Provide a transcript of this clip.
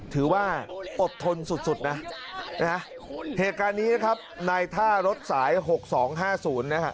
ถือว่าอดทนสุดนะนะฮะเหตุการณ์นี้นะครับในท่ารถสาย๖๒๕๐นะฮะ